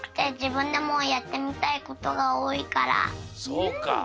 そうか！